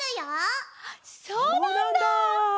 そうなんだ！